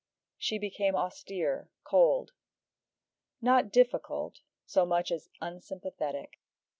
She became austere, cold. Not difficult, so much as unsympathetic.